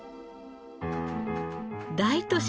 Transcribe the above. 大都市